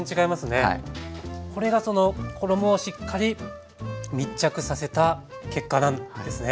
これが衣をしっかり密着させた結果なんですね。